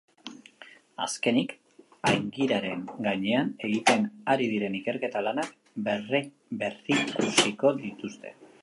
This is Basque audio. Azkenik, aingiraren gainean egiten ari diren ikerketa lanak berrikusiko dituzte.